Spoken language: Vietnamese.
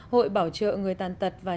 hội bảo trợ người tàn tật và